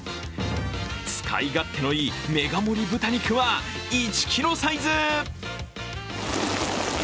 使い勝手のいいメガ盛り豚肉は１ｋｇサイズ。